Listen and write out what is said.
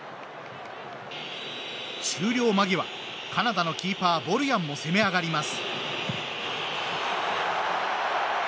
終了間際、カナダのキーパーボルヤンも攻め上がります。